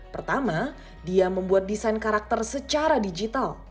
pertama dia membuat desain karakter secara digital